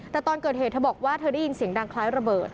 แต่ตอนเกิดเหตุเธอบอกว่าเธอได้ยินเสียงดังคล้ายระเบิด